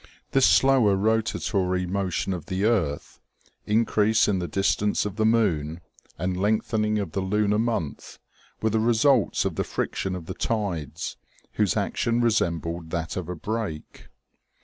This slower rotatory motion of the earth, increase in the dis tance of the moon, and lengthening of the lunar month, were the results of the friction of the tides, whose action resembled that of a brake.